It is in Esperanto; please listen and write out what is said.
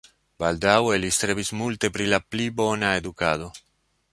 Baldaŭe li strebis multe pri la pli bona edukado.